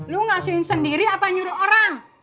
lu ngasihin sendiri apa nyuruh orang